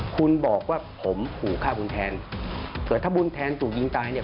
คุณบอกว่าผมขู่ฆ่าบุญแทนเกิดถ้าบุญแทนถูกยิงตายเนี่ย